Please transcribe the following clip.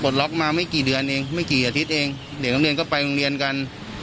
ได้ไม่กี่เดือนเองไม่กี่อาทิตย์เองเดี๋ยวก็ไปกัน